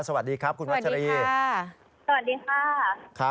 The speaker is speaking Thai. สวัสดีค่ะ